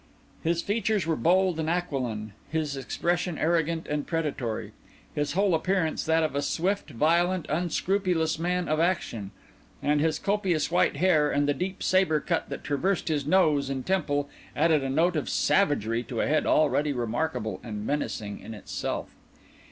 His features were bold and aquiline; his expression arrogant and predatory; his whole appearance that of a swift, violent, unscrupulous man of action; and his copious white hair and the deep sabre cut that traversed his nose and temple added a note of savagery to a head already remarkable and menacing in itself.